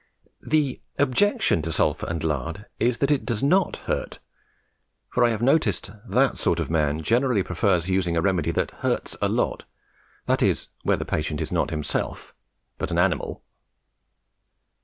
The objection to sulphur and lard is that it does not hurt, for I have noticed that sort of man generally prefers using a remedy that hurts a lot that is, where the patient is not himself, but an animal.